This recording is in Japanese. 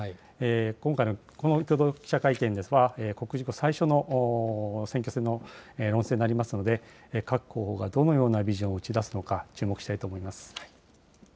今回の共同記者会見ですが、告示後、最初の選挙戦の論戦になりますので、各候補がどのようなビジョンを打ち出すのか注目したいと思います。